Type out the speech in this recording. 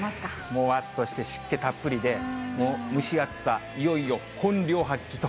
もわっとして湿気たっぷりで、蒸し暑さ、いよいよ本領発揮と。